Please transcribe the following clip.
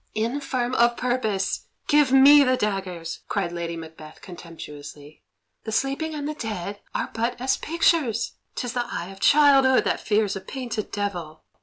"Infirm of purpose! Give me the daggers!" cried Lady Macbeth contemptuously. "The sleeping and the dead are but as pictures; 'tis the eye of childhood that fears a painted devil."